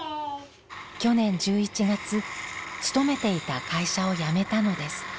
去年１１月勤めていた会社を辞めたのです。